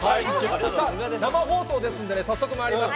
さあ、生放送ですんでね、早速まいります。